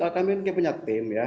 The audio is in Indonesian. kami punya tim ya